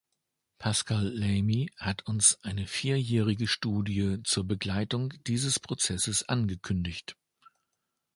Pascal Lamy hat uns eine vierjährige Studie zur Begleitung dieses Prozesses angekündigt.